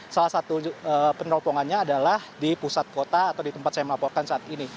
salah satu peneropongannya adalah di pusat kota atau di tempat saya melaporkan saat ini